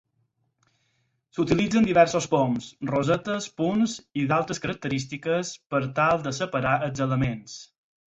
S'utilitzen diversos poms, rosetes, punts i d'altres característiques per tal de separar els elements.